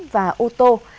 và ô tô